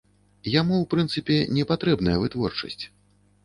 Яму, у прынцыпе, не патрэбная вытворчасць.